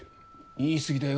言い過ぎだよ。